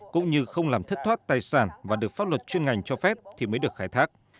cũng như không làm thất thoát tài sản và được pháp luật chuyên ngành cho phép thì mới được khai thác